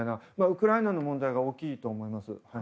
ウクライナの問題が大きいと思います。